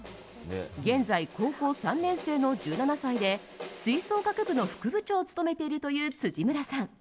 現在、高校３年生の１７歳で吹奏楽部の副部長を務めているという辻村さん。